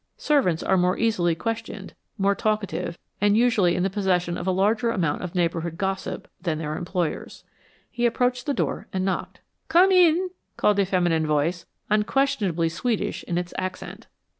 Servants are more easily, questioned, more talkative, and usually in the possession of a larger amount of neighborhood gossip, than their employers. He approached the door and knocked. "Come in," called a feminine voice, unquestionably Swedish in its accent.